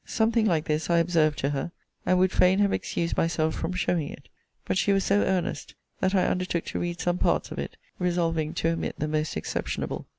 Something like this I observed to her; and would fain have excused myself from showing it: but she was so earnest, that I undertook to read some parts of it, resolving to omit the most exceptionable.